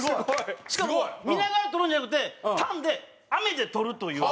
しかも見ながら取るんじゃなくてターンで「アメ」で取るという。